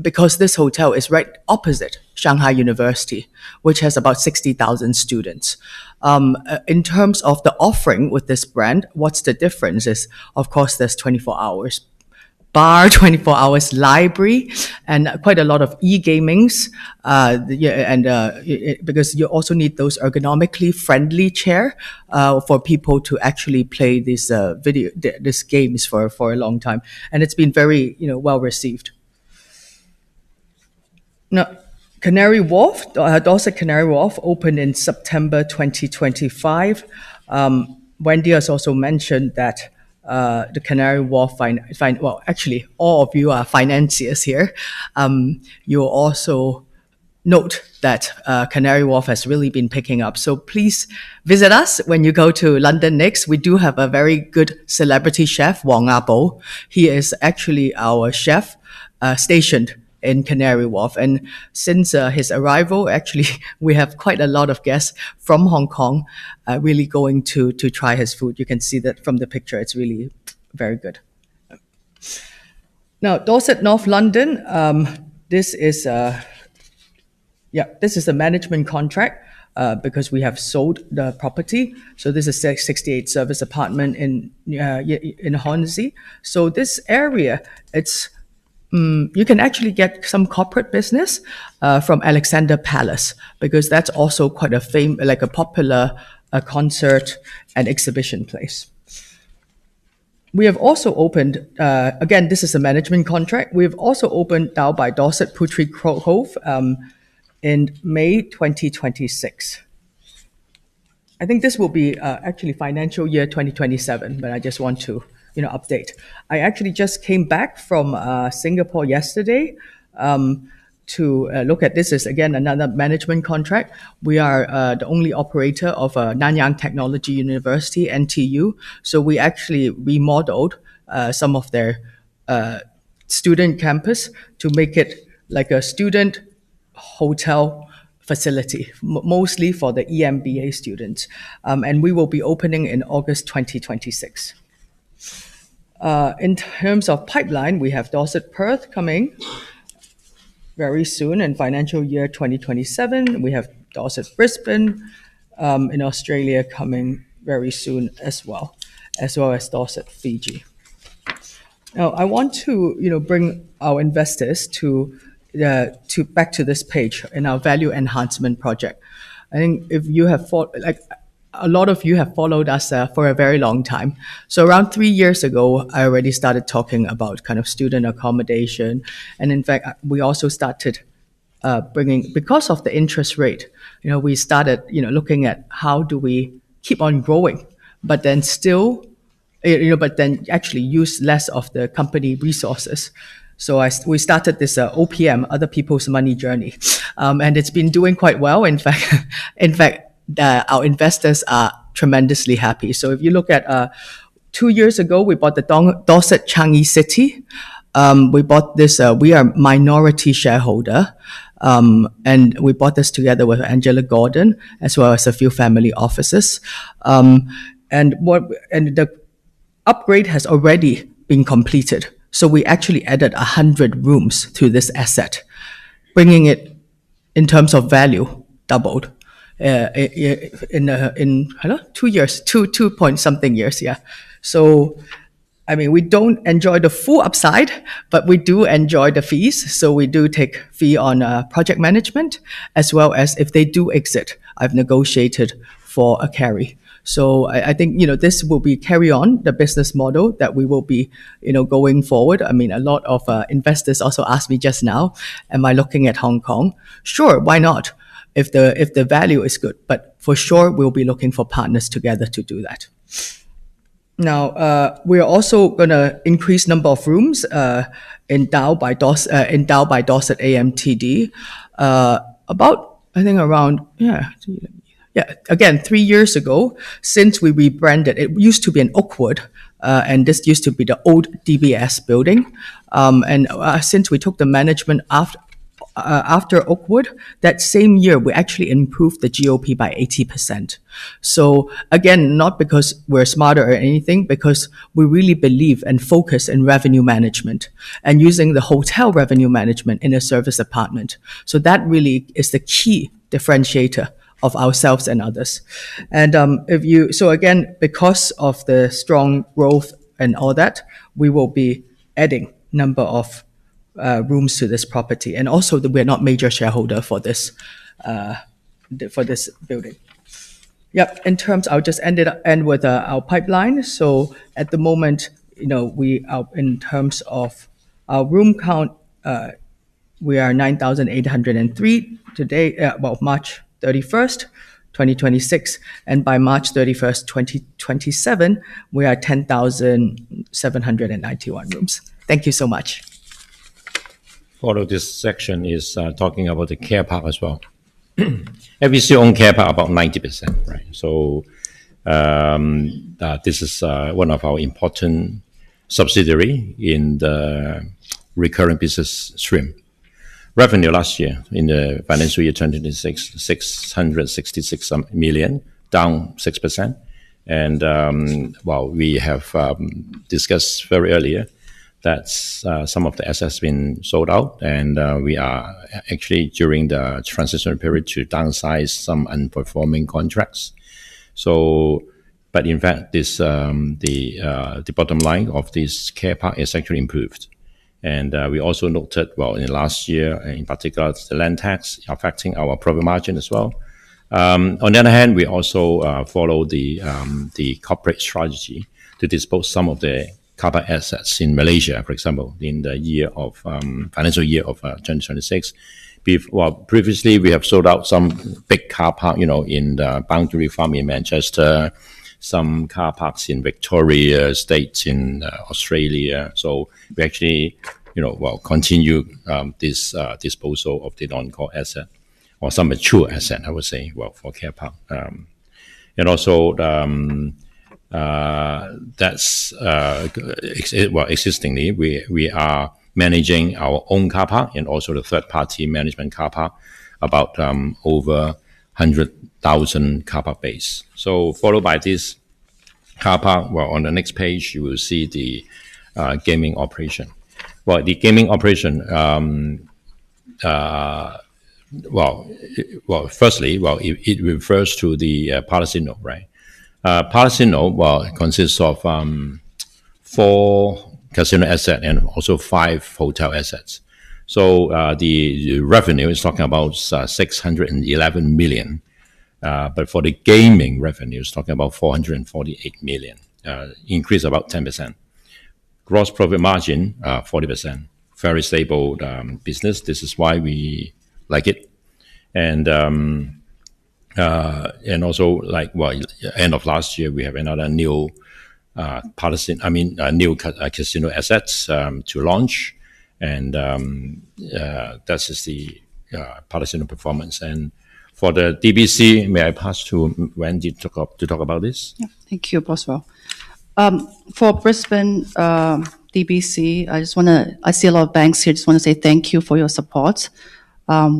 because this hotel is right opposite Shanghai University, which has about 60,000 students. In terms of the offering with this brand, what's the difference is, of course, there's 24 hours bar, 24 hours library, and quite a lot of e-gamings. Because you also need those ergonomically friendly chair for people to actually play these games for a long time, and it's been very well-received. Dorsett Canary Wharf opened in September 2025. Wendy has also mentioned that Canary Wharf. Well, actually, all of you are financiers here. You'll also note that Canary Wharf has really been picking up. Please visit us when you go to London next. We do have a very good celebrity chef, Wong Ah-bo. He is actually our chef stationed in Canary Wharf. Since his arrival, actually, we have quite a lot of guests from Hong Kong really going to try his food. You can see that from the picture. It's really very good. Dorsett North London. This is a management contract, because we have sold the property. This is a 68-service apartment in Hornsey. This area, you can actually get some corporate business from Alexandra Palace because that's also a popular concert and exhibition place. Again, this is a management contract. We have also opened Dao by Dorsett Puteri Cove in May 2026. This will be actually financial year 2027, but I just want to update. I actually just came back from Singapore yesterday to look at this. Again, another management contract. We are the only operator of Nanyang Technological University, NTU. We actually remodeled some of their student campus to make it like a student hotel facility, mostly for the EMBA students. We will be opening in August 2026. In terms of pipeline, we have Dorsett Perth coming very soon, in financial year 2027, we have Dorsett Brisbane in Australia coming very soon as well, as well as Dorsett Fiji. I want to bring our investors back to this page in our value enhancement project. A lot of you have followed us for a very long time. Around three years ago, I already started talking about student accommodation. In fact, because of the interest rate, we started looking at how do we keep on growing, but then actually use less of the company resources. We started this OPM, other people's money journey. It's been doing quite well. In fact, our investors are tremendously happy. If you look at two years ago, we bought the Dorsett Changi City. We are minority shareholder, and we bought this together with Angelo Gordon, as well as a few family offices. The upgrade has already been completed. We actually added 100 rooms to this asset, bringing it, in terms of value, doubled in two years, two-point-something years. We don't enjoy the full upside, but we do enjoy the fees. We do take fee on project management as well as if they do exit. I've negotiated for a carry. This will be carry on the business model that we will be going forward. A lot of investors also asked me just now, am I looking at Hong Kong? Sure, why not, if the value is good. For sure, we'll be looking for partners together to do that. Now, we are also going to increase number of rooms in Dao by Dorsett AMTD. Again, three years ago, since we rebranded, it used to be an Oakwood, and this used to be the old DBS building. Since we took the management after Oakwood, that same year, we actually improved the GOP by 80%. Again, not because we're smarter or anything, because we really believe and focus in revenue management and using the hotel revenue management in a service apartment. That really is the key differentiator of ourselves and others. Again, because of the strong growth and all that, we will be adding number of rooms to this property. Also that we're not major shareholder for this building. Yep. I'll just end with our pipeline. At the moment, in terms of our room count, we are 9,803 today, well, March 31st, 2026. By March 31st, 2027, we are 10,791 rooms. Thank you so much. Follow this section is talking about the Care Park as well. We still own Care Park about 90%. This is one of our important subsidiary in the recurring business stream. Revenue last year in the financial year 2026, 666 million, down 6%. Well, we have discussed very earlier that some of the assets been sold out, and we are actually during the transition period to downsize some underperforming contracts. In fact, the bottom line of this Care Park has actually improved. We also noted in the last year, in particular, the land tax affecting our profit margin as well. On the other hand, we also follow the corporate strategy to dispose some of the car park assets in Malaysia, for example, in the financial year of 2026. Previously, we have sold out some big car park in the Boundary Farm in Manchester, some car parks in Victoria State in Australia. We actually continue this disposal of the non-core asset or some mature asset, I would say, for Care Park. Also, existingly, we are managing our own car park and also the third-party management car park, about over 100,000 car park base. Followed by this car park, on the next page, you will see the gaming operation. The gaming operation firstly, it refers to the Palasino. Palasino consists of four casino asset and also five hotel assets. The revenue is talking about 611 million. For the gaming revenue, it's talking about 448 million, increase about 10%. Gross profit margin, 40%. Very stable business. This is why we like it. End of last year, we have another new casino assets to launch, that is the Palasino performance. For the DBC, may I pass to Wendy to talk about this? Thank you, Boswell. For Brisbane DBC, I see a lot of banks here. Just want to say thank you for your support.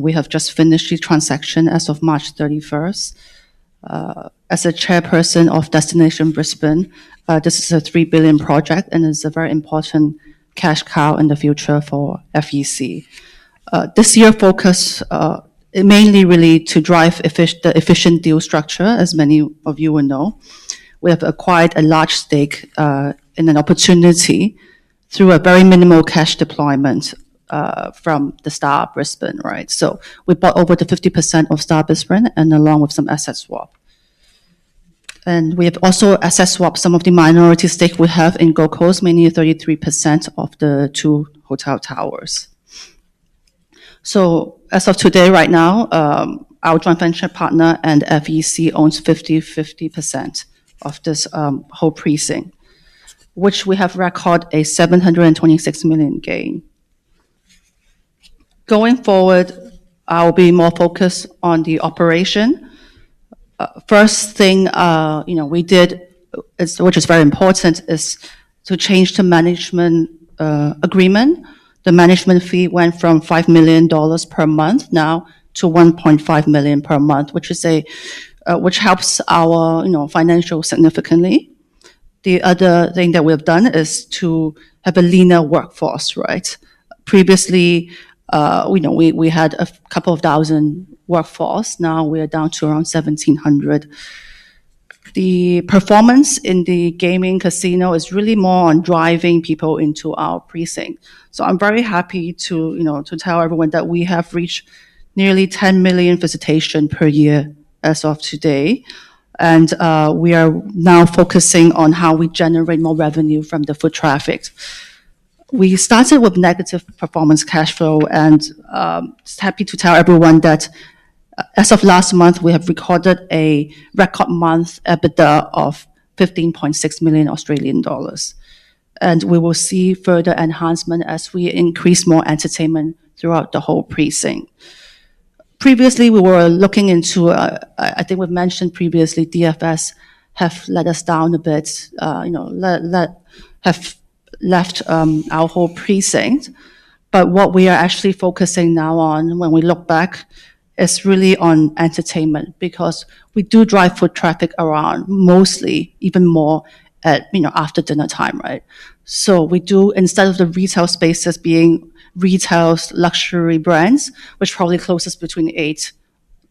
We have just finished the transaction as of March 31st. As a chairperson of Destination Brisbane, this is an 3 billion project, is a very important cash cow in the future for FEC. This year, focus mainly to drive the efficient deal structure, as many of you will know. We have acquired a large stake in an opportunity through a very minimal cash deployment from Star Brisbane. We bought over the 50% of Star Brisbane, along with some asset swap. We have also asset swapped some of the minority stake we have in Gold Coast, mainly 33% of the two hotel towers. As of today, right now, our joint venture partner and FEC owns 50/50% of this whole precinct, which we have record an 726 million gain. Going forward, I will be more focused on the operation. First thing we did, which is very important, is to change the management agreement. The management fee went from 5 million dollars per month now to 1.5 million per month, which helps our financial significantly. The other thing that we have done is to have a leaner workforce. Previously, we had a couple of thousand workforce. Now we are down to around 1,700. The performance in the gaming casino is really more on driving people into our precinct. I'm very happy to tell everyone that we have reached nearly 10 million visitation per year as of today. We are now focusing on how we generate more revenue from the foot traffic. We started with negative performance cash flow, happy to tell everyone that as of last month, we have recorded a record month EBITDA of 15.6 million Australian dollars. We will see further enhancement as we increase more entertainment throughout the whole precinct. Previously, we were looking into I think we've mentioned previously, DFS have let us down a bit, have left our whole precinct. What we are actually focusing now on when we look back is really on entertainment, because we do drive foot traffic around mostly even more at after dinner time. We do, instead of the retail spaces being retailed luxury brands, which probably closes between 8:00 P.M.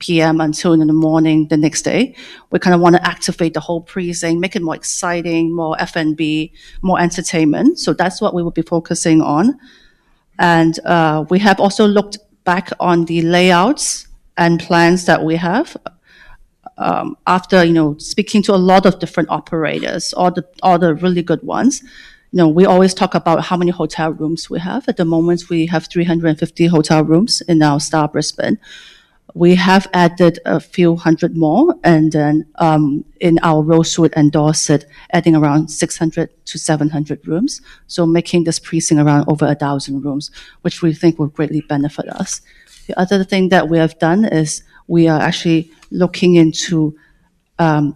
until in the morning the next day, we kind of want to activate the whole precinct, make it more exciting, more F&B, more entertainment. That's what we will be focusing on. We have also looked back on the layouts and plans that we have. After speaking to a lot of different operators, all the really good ones. We always talk about how many hotel rooms we have. At the moment, we have 350 hotel rooms in our The Star Brisbane. We have added a few hundred more, and then in our Rosewood and Dorsett, adding around 600 to 700 rooms. Making this precinct around over 1,000 rooms, which we think will greatly benefit us. The other thing that we have done is we are actually looking into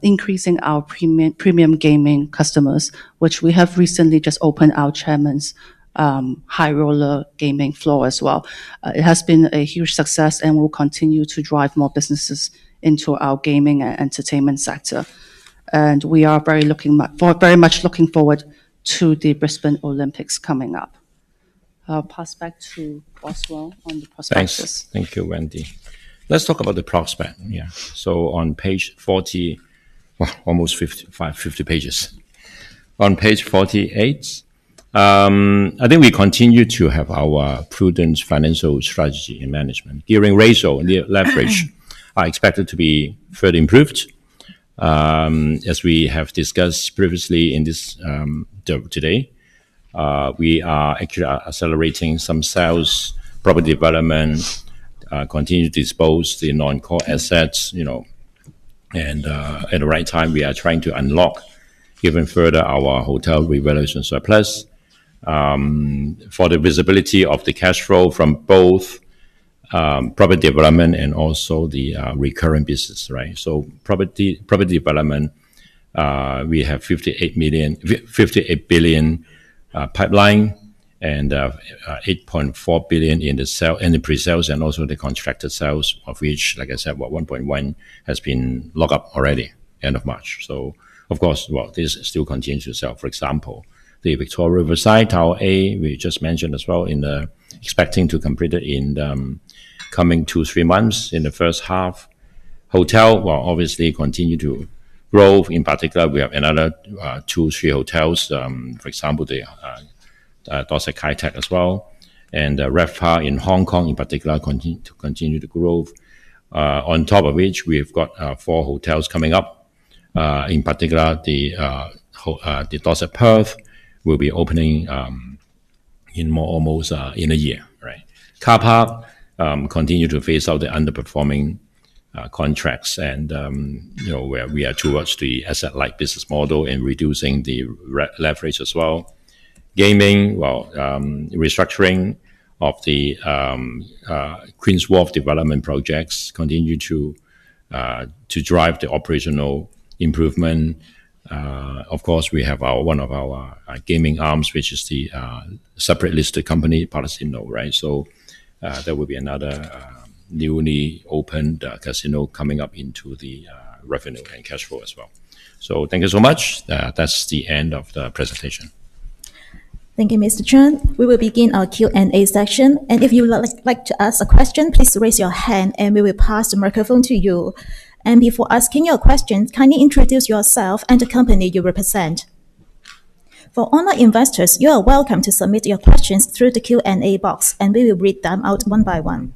increasing our premium gaming customers, which we have recently just opened our chairman's high roller gaming floor as well. It has been a huge success and will continue to drive more businesses into our gaming and entertainment sector. We are very much looking forward to the Brisbane Olympics coming up. I'll pass back to Boswell on the prospectus. Thanks. Thank you, Wendy. Let's talk about the prospect. On page 40 Almost 50 pages. On page 48, I think we continue to have our prudent financial strategy and management. Gearing ratio and the leverage are expected to be further improved. As we have discussed previously in this today, we are actually accelerating some sales, property development, continue to dispose the non-core assets, and at the right time, we are trying to unlock even further our hotel revaluation surplus for the visibility of the cash flow from both property development and also the recurring business. Property development, we have 58 billion pipeline and 8.4 billion in the pre-sales and also the contracted sales, of which, like I said, 1.1 has been locked up already end of March. Of course, this still continues to sell. For example, the Victoria Riverside Tower A, we just mentioned as well in the expecting to complete it in the coming two, three months in the first half. Hotel will obviously continue to grow. In particular, we have another two, three hotels. For example, the Dorsett Kai Tak as well, and RevPAR in Hong Kong in particular to continue to grow. On top of which, we've got four hotels coming up. In particular, the Dorsett Perth will be opening in almost in a year. Car park, continue to phase out the underperforming contracts and where we are towards the asset-light business model and reducing the leverage as well. Gaming, well, restructuring of the Queen's Wharf development projects continue to drive the operational improvement. Of course, we have one of our gaming arms, which is the separate listed company, Palasino. That will be another newly opened casino coming up into the revenue and cash flow as well. Thank you so much. That's the end of the presentation. Thank you, Mr. Cheung. We will begin our Q&A session. If you would like to ask a question, please raise your hand and we will pass the microphone to you. Before asking your question, kindly introduce yourself and the company you represent. For online investors, you are welcome to submit your questions through the Q&A box, and we will read them out one by one.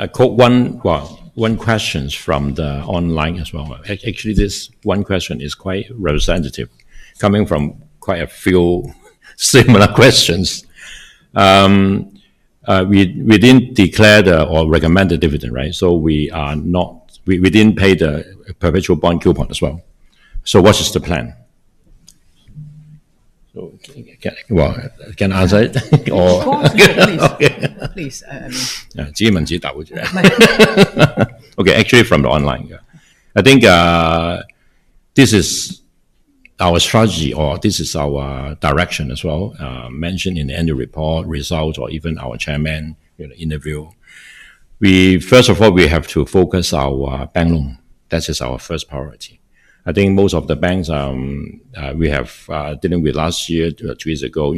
I caught one question from the online as well. Actually, this one question is quite representative, coming from quite a few similar questions. We didn't declare or recommend the dividend. We didn't pay the perpetual bond coupon as well. What is the plan? Well, can I answer it or -- Of course. Yeah, please. Okay. Please. Okay. Actually, I think this is our strategy or this is our direction as well, mentioned in the annual report results or even our chairman interview. First of all, we have to focus our bank loan. That is our first priority. I think most of the banks we have dealing with last year, two years ago,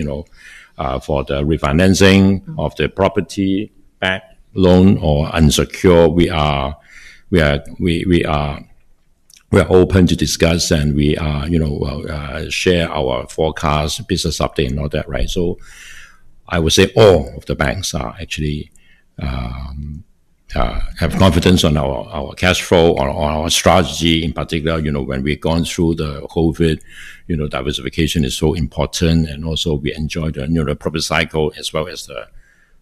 for the refinancing of the property backed loan or unsecured, we are open to discuss and we share our forecast business update and all that. I would say all of the banks actually have confidence in our cash flow or our strategy. In particular, when we've gone through the COVID, diversification is so important and also we enjoy the property cycle as well as the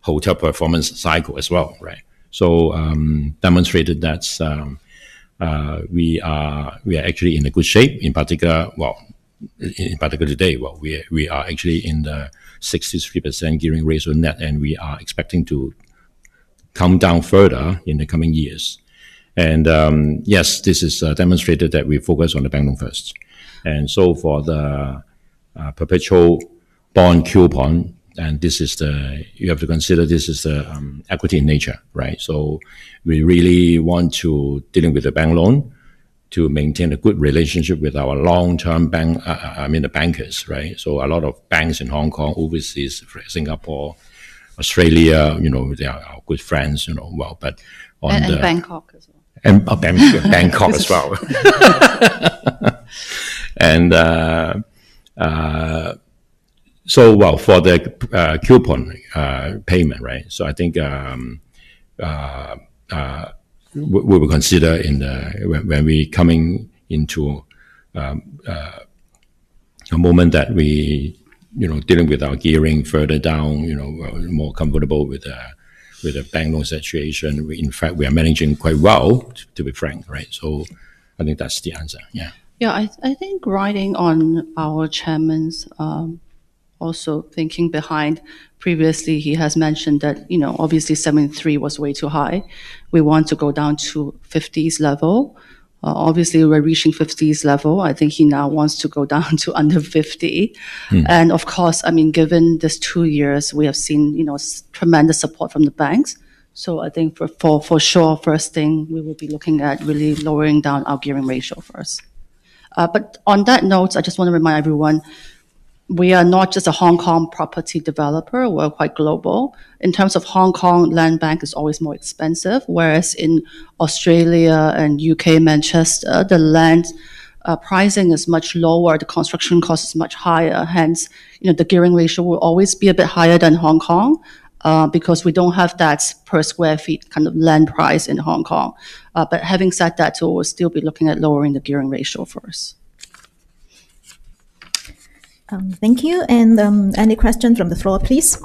hotel performance cycle as well. Demonstrated that we are actually in a good shape. In particular today, we are actually in the 63% gearing ratio net, and we are expecting to come down further in the coming years. Yes, this is demonstrated that we focus on the bank loan first. For the perpetual bond coupon, you have to consider this is equity in nature. We really want to dealing with the bank loan to maintain a good relationship with our long-term bankers. A lot of banks in Hong Kong, overseas, Singapore, Australia, they are our good friends. Bangkok as well. For the coupon payment, I think we will consider when we coming into a moment that we dealing with our gearing further down, we're more comfortable with the bank loan situation. In fact, we are managing quite well, to be frank. I think that's the answer. Yeah. I think riding on our chairman's also thinking behind previously he has mentioned that obviously 73 was way too high. We want to go down to 50s level. Obviously, we're reaching 50s level. I think he now wants to go down to under 50. Of course, given these two years, we have seen tremendous support from the banks. I think for sure first thing we will be looking at really lowering down our gearing ratio first. On that note, I just want to remind everyone, we are not just a Hong Kong property developer. We're quite global. In terms of Hong Kong, land bank is always more expensive, whereas in Australia and U.K., Manchester, the land pricing is much lower. The construction cost is much higher, hence the gearing ratio will always be a bit higher than Hong Kong because we don't have that per square feet kind of land price in Hong Kong. Having said that too, we'll still be looking at lowering the gearing ratio first. Thank you. Any questions from the floor, please?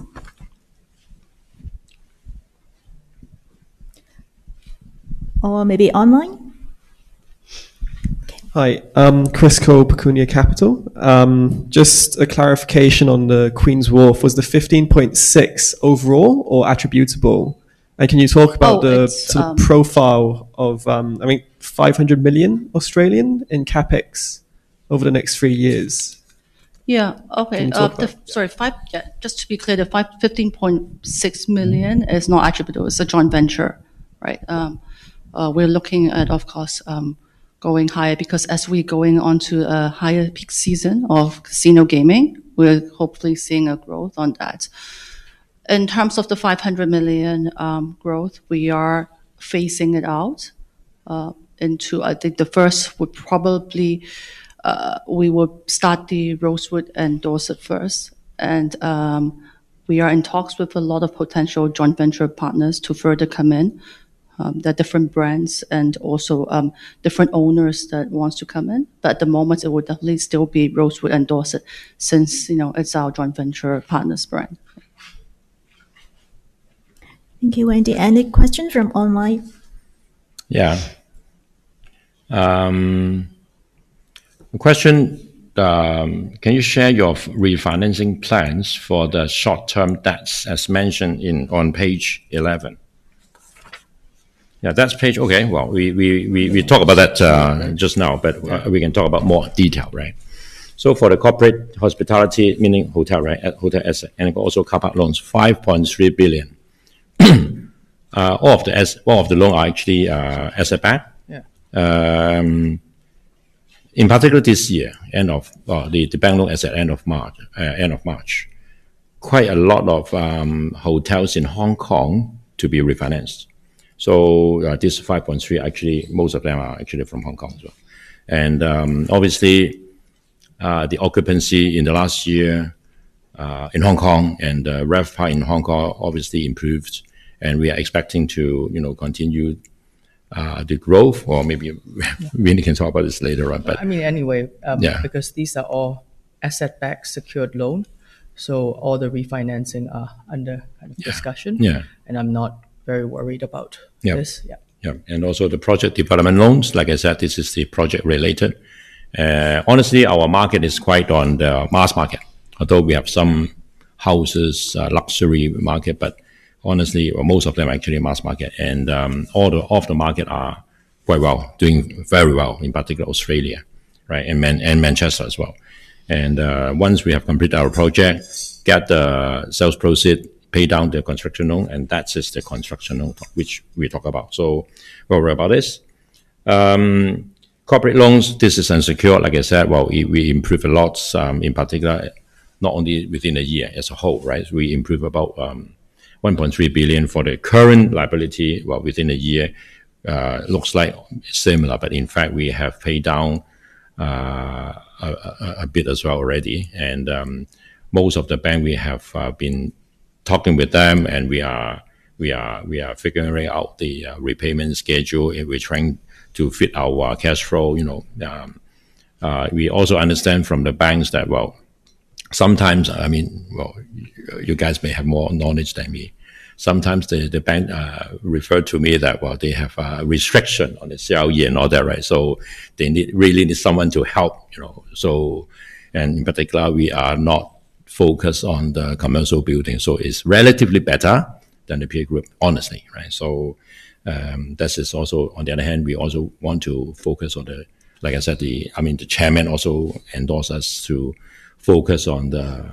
Or maybe online? Hi. Chris Ko, Pecunia Capital. Just a clarification on the Queen's Wharf. Was the 15.6 overall or attributable? Can you talk about the? Oh, it's. sort of profile of 500 million in CapEx over the next three years? Yeah. Okay. Can you talk about that? Sorry. Just to be clear, the 15.6 million is not attributable. It's a joint venture. We're looking at, of course, going higher because as we're going on to a higher peak season of casino gaming, we're hopefully seeing a growth on that. In terms of the 500 million growth, we are phasing it out into, I think the first would probably we will start the Rosewood and Dorsett first. We are in talks with a lot of potential joint venture partners to further come in. The different brands and also different owners that wants to come in. At the moment, it would definitely still be Rosewood and Dorsett since it's our joint venture partner's brand. Thank you, Wendy. Any questions from online? The question, can you share your refinancing plans for the short-term debts as mentioned on page 11? Well, we talked about that just now, we can talk about it in more detail, right? For the corporate hospitality, meaning hotel, right? Hotel asset, and also car park loans, 5.3 billion. All of the loans are actually asset-backed. Yeah. In particular, this year, the bank loan as at end of March, there are quite a lot of hotels in Hong Kong to be refinanced. This 5.3, actually, most of them are actually from Hong Kong as well. Obviously, the occupancy in the last year in Hong Kong and the RevPAR in Hong Kong obviously improved, and we are expecting to continue the growth. Maybe Wendy can talk about this later on. Anyway. Yeah. These are all asset-backed secured loans, all the refinancing are under kind of discussion. Yeah. I'm not very worried about this. Yeah. Yeah. Also the project development loans, like I said, this is the project-related. Honestly, our market is quite on the mass market. Although we have some houses, luxury market, but honestly, most of them are actually mass market. All of the market are doing very well, in particular Australia, right? Manchester as well. Once we have completed our project, get the sales proceeds, pay down the construction loan, that is the construction loan which we talk about. Don't worry about this. Corporate loans, this is unsecured, like I said. Well, we improved a lot, in particular, not only within a year, as a whole, right? We improved about 1.3 billion for the current liability within a year. Looks like similar, but in fact, we have paid down a bit as well already. Most of the bank, we have been talking with them, we are figuring out the repayment schedule, we're trying to fit our cash flow. We also understand from the banks that, well, sometimes, I mean, well, you guys may have more knowledge than me. Sometimes the bank referred to me that they have a restriction on the CLI and all that, right? They really need someone to help. In particular, we are not focused on the commercial building, it's relatively better than the peer group, honestly, right? This is also, on the other hand, we also want to focus on the, like I said, the chairman also endorsed us to focus on the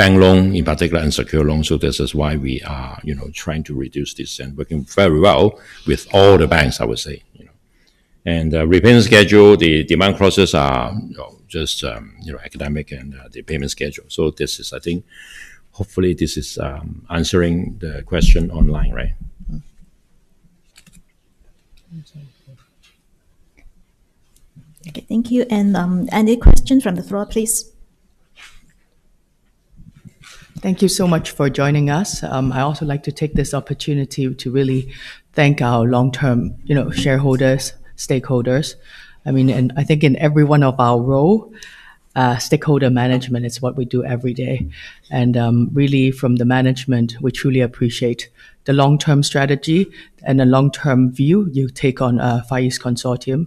bank loan, in particular, unsecured loans. This is why we are trying to reduce this and working very well with all the banks, I would say. Repayment schedule, the demand clauses are just academic and the payment schedule. This is, I think, hopefully this is answering the question online, right? Okay. Thank you. Any questions from the floor, please? Thank you so much for joining us. I also like to take this opportunity to really thank our long-term shareholders, stakeholders. I think in every one of our role, stakeholder management is what we do every day. Really, from the management, we truly appreciate the long-term strategy and the long-term view you take on Far East Consortium.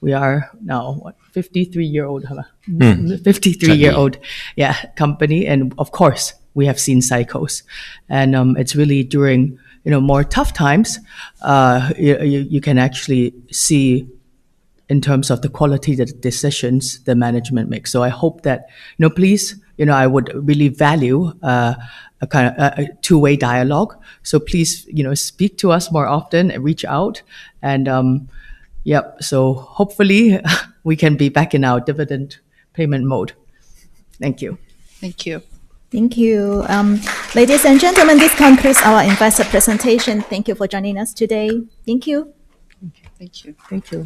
We are now what? 53-year-old, huh? 53-year-old- Exactly Yeah, company, of course, we have seen cycles. It is really during more tough times you can actually see in terms of the quality decisions the management makes. I hope that please, I would really value a two-way dialogue. Please speak to us more often and reach out. Yeah. Hopefully we can be back in our dividend payment mode. Thank you. Thank you. Thank you. Ladies and gentlemen, this concludes our investor presentation. Thank you for joining us today. Thank you. Thank you. Thank you.